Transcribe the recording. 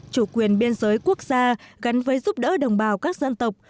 chủ quyền biên giới quốc gia gắn với giúp đỡ đồng bào các dân tộc